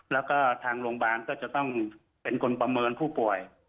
แล้วก็ทางโรงพยาบาลก็จะต้องเป็นคนประเมินผู้ป่วย